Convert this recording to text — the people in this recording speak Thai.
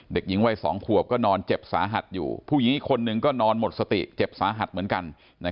เด็กหญิงวัย๒ขวบก็นอนเจ็บสาหัสอยู่ผู้หญิงอีกคนนึงก็นอนหมดสติเจ็บสาหัสเหมือนกัน